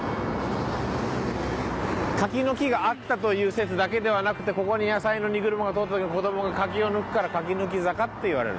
柿の木があったという説だけではなくてここに野菜の荷車が通った時子供が柿を抜くから柿抜き坂っていわれる。